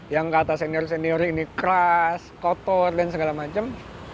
yang kata senior senior ini keras kotor dan segala macam